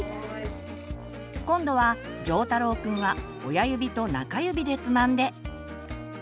今度はじょうたろうくんは親指と中指でつまんで。